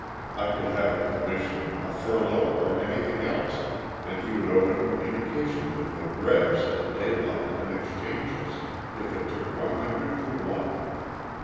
I could have a commission, a furlough or anything else, and he would open communication with the '*rebs" at daylight and exchange us, if it took one hundred for one.